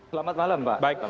selamat malam pak